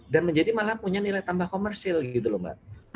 dan menjadi malah punya nilai tambah komersil gitu loh mbak